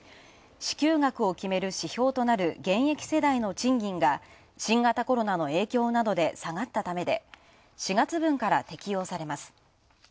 支給額を決める指標となる現役世代の賃金が新型コロナの影響などで下がったためで４月分から適用されます。